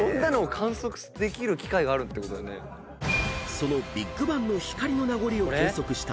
［そのビッグバンの光の名残を計測した］